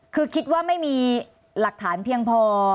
คือคิดว่าไม่มีหลักฐานเพียงพอ